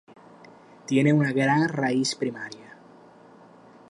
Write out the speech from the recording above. Tiene una gran raíz primaria.